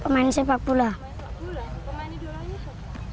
pemain sepakbola pemain di dorong itu